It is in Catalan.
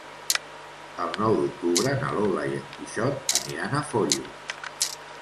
El nou d'octubre na Lola i en Quixot aniran a Foios.